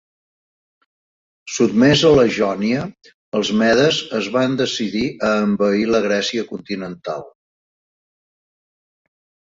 Sotmesa la Jònia, els medes es van decidir a envair la Grècia continental.